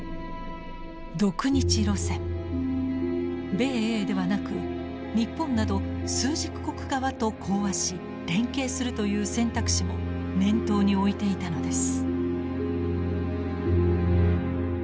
米英ではなく日本など枢軸国側と講和し連携するという選択肢も念頭に置いていたのです。